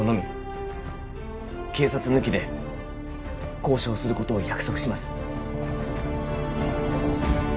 警察抜きで交渉することを約束します